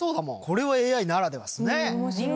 これはＡＩならではっすね。